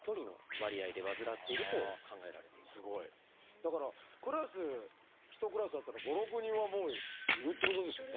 だからクラス１クラスあったら５６人はいるっていうことですよね。